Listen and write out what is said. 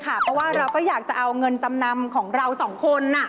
เพราะว่าเราก็อยากจะเอาเงินจำนำของเราสองคน